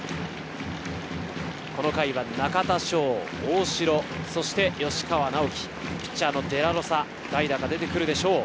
この回は中田翔、大城、そして吉川尚輝、ピッチャーのデラロサ、代打が出てくるでしょう。